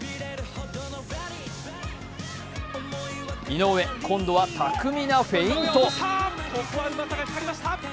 井上、今度は巧みなフェイント。